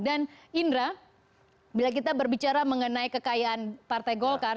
dan indra bila kita berbicara mengenai kekayaan partai golkar